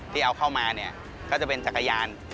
ที่เอาเข้ามาเนี่ยก็จะเป็นจักรยาน